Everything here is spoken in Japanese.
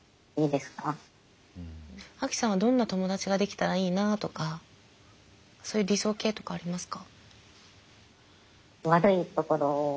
アキさんはどんな友だちができたらいいなとかそういう理想型とかありますか？